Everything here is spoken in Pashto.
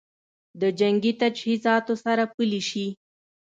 د جنګي تجهیزاتو سره پلي شي